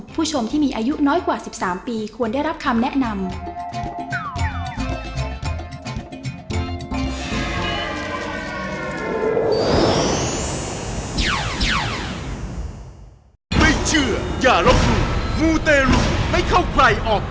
ผู้ชมที่มีอายุน้อยกว่า๑๓ปีควรได้รับคำแนะนำ